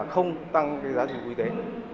không tăng giá tiền quý tế